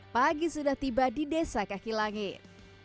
pagi sudah tiba di desa kaki langit